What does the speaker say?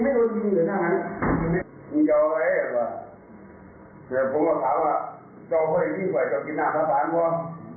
ตัวเฉียวนิดนึงเออผมเลยจับนี่ไปเป็นวันฟังเลยครับ